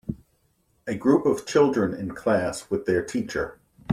A group of children in class with their teacher.